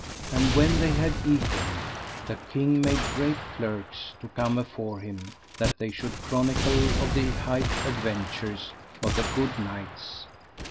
And when they had eaten, the king made great clerks to come afore him, that they should chronicle of the high adventures of the good knights.